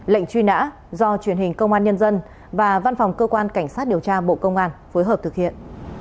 lệnh truy nã do truyền hình công an nhân dân và văn phòng cơ quan cảnh sát điều tra bộ công an phối hợp thực hiện